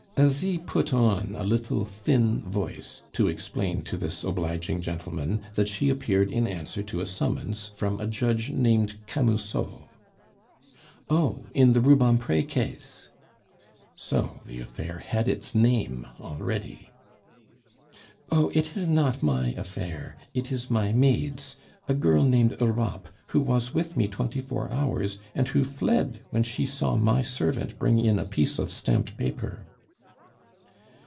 Asie put on a little, thin voice to explain to this obliging gentleman that she appeared in answer to a summons from a judge named Camusot. "Oh! in the Rubempre case?" So the affair had its name already. "Oh, it is not my affair. It is my maid's, a girl named Europe, who was with me twenty four hours, and who fled when she saw my servant bring in a piece of stamped paper."